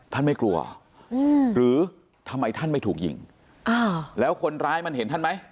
ไม่กลัวอืมหรือทำไมท่านไม่ถูกยิงอ่าแล้วคนร้ายมันเห็นท่านไหม